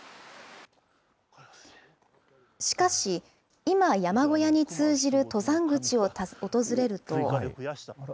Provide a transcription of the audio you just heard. しかし、今、山小屋に通じる登山口を訪れると。